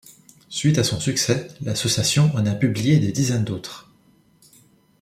Suite à son succès, l'association en a publié des dizaines d'autres.